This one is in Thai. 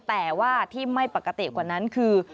แต่ว่าที่ไม่ปกติกว่านั้นคือ